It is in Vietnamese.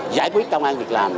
giải quyết công an việc làm